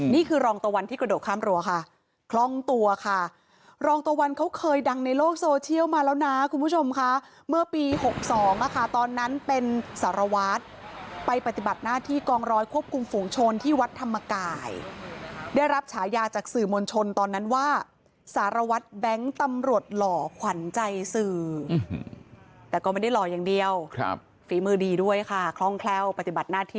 นี่คือรองตะวันที่กระโดดข้ามรัวค่ะคล่องตัวค่ะรองตะวันเขาเคยดังในโลกโซเชียลมาแล้วน่ะคุณผู้ชมค่ะเมื่อปีหกสองอ่ะค่ะตอนนั้นเป็นสารวาสไปปฏิบัติหน้าที่กองรอยควบคุมฝูงชนที่วัดธรรมกายได้รับฉายาจากสื่อมูลชนตอนนั้นว่าสารวัดแบงค์ตำรวจหล่อขวัญใจสื่อแต่ก็ไม่